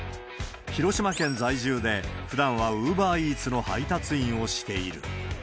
広島県在住で、ふだんはウーバーイーツの配達員をしている。